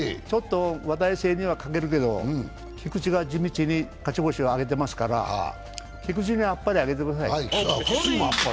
話題性には欠けるけど菊池が地道に勝ち星を挙げていますから、菊池にあっぱれあげてください。